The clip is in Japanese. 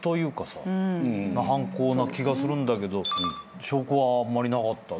そんな犯行な気がするんだけど証拠はあまりなかった。